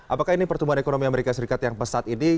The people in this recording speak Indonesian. apakah ini pertumbuhan ekonomi amerika serikat yang pesat ini